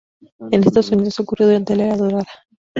En Estados Unidos ocurrió durante la Era Dorada.